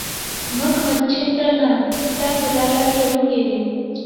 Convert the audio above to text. मग मच्छिंद्रनाथ त्या मुलाला घेऊन गेले.